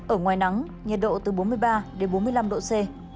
ở ngoài nắng nhiệt độ từ bốn mươi ba đến bốn mươi năm độ c